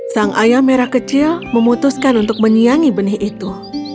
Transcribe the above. sang ayam merah kecil memutuskan untuk menyiangi benih itu